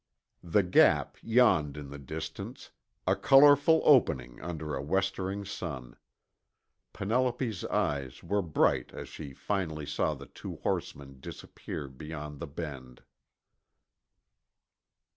The Gap yawned in the distance, a colorful opening under a westering sun. Penelope's eyes were bright as she finally saw the two horsemen disappear beyond the bend.